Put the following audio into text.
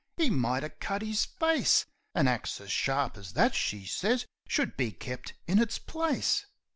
'E might 'a' cut 'is face! An axe as sharp as that," she sez, "should be kep' in its place."